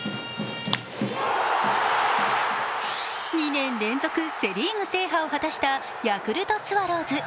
２年連続セ・リーグ制覇を果たしたヤクルトスワローズ。